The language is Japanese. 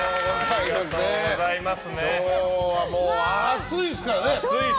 今日は暑いですからね。